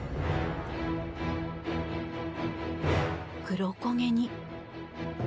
黒焦げに。